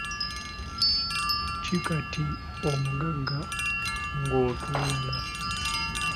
Ki kati omugagga, ng'otuuyana.